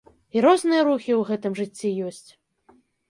І розныя рухі ў гэтым жыцці ёсць.